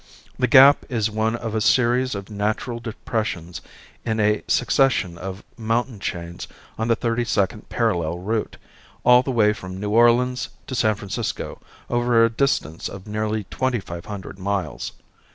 The gap is one of a series of natural depressions in a succession of mountain chains on the thirty second parallel route, all the way from New Orleans to San Francisco over a distance of nearly twenty five hundred miles.